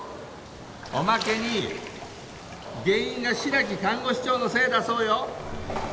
おまけに原因は白木看護師長のせいだそうよ。